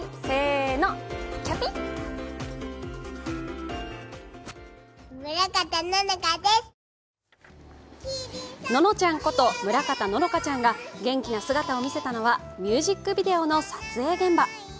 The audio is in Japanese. せーの、キャピ。ののちゃんこと村方乃々佳ちゃんが元気な姿を見せたのはミュージックビデオの撮影現場。